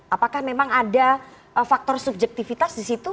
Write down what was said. apakah memang ada faktor subjektivitas di situ